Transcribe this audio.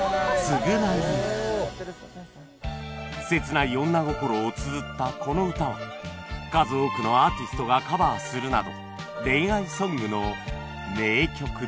切ない女心をつづったこの歌は数多くのアーティストがカバーするなど恋愛ソングの名曲です